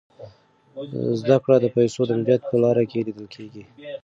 زده کړه د پیسو د مدیریت په لاره کي لیدل کیږي.